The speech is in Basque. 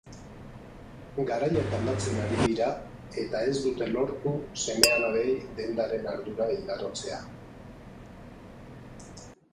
Garaiak aldatzen ari dira eta ez dute lortu seme-alabei dendaren ardura igarotzea.